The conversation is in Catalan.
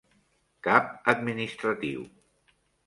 Cap administratiu.